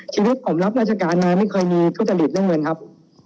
ชีวิตผมรับราชการมาไม่เคยมีทุจริตเรื่องเงินครับ